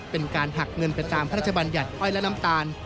เป็นการหักเงินไปตามพระราชบัญญัติอ้อยและน้ำตาล